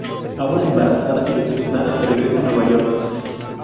Aura, embarazada y decepcionada se regresa a Nueva York.